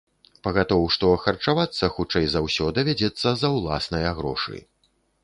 Пагатоў, што харчавацца, хутчэй за ўсё, давядзецца за ўласныя грошы.